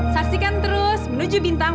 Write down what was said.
saksikan terus menuju bintang